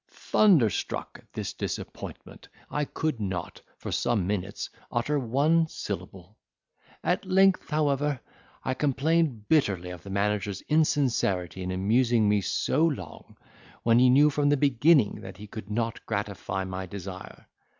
"Thunderstruck at this disappointment, I could not, for some minutes, utter one syllable. At length, however, I complained bitterly of the manager's insincerity in amusing me so long, when he knew from the beginning that he could not gratify my desire.